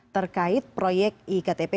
terkait proyek iktp